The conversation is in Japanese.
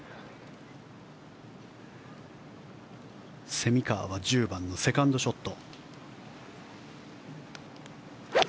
蝉川は１０番のセカンドショット。